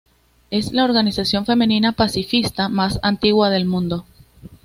Es la organización femenina pacifista más antigua del mundo.